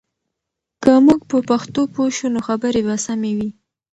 که موږ په پښتو پوه شو، نو خبرې به سمې وي.